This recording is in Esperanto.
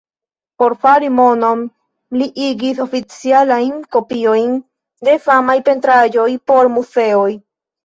Por fari monon, li igis oficialajn kopiojn de famaj pentraĵoj por muzeoj.